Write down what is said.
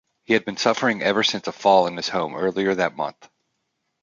He had been suffering ever since a fall in his home earlier that month.